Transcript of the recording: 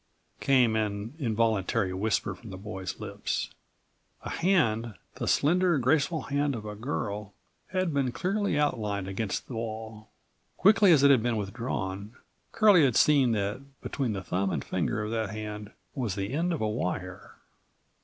came in an involuntary whisper from the boy's lips. A hand, the slender, graceful hand of a girl had been clearly outlined against the wall. Quickly as it had been withdrawn, Curlie had seen that between the thumb and finger of that hand was the end of a wire.